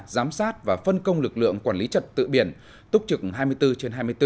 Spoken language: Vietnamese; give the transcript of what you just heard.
giám sát và phân công lực lượng quản lý trật tự biển túc trực hai mươi bốn trên hai mươi bốn